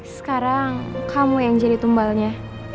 sekarang kamu yang jadi tumbalnya